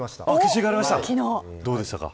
どうでしたか。